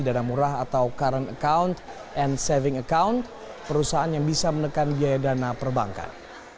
dana murah atau current account and saving account perusahaan yang bisa menekan biaya dana perbankan